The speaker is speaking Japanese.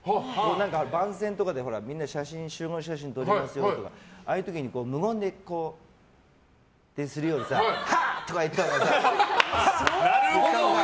番宣とかでみんなで集合写真撮りますよとかああいう時に無言でやるよりはっ！とか言ったほうがさ。